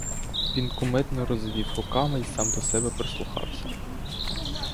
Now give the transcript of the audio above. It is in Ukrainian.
Він кумедно розвів руками й сам до себе прислухався.